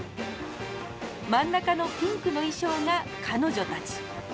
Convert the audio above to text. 真ん中のピンクの衣装が彼女たち。